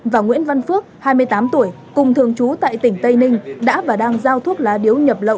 và nguyễn văn phước hai mươi tám tuổi cùng thường trú tại tỉnh tây ninh đã và đang giao thuốc lá điếu nhập lậu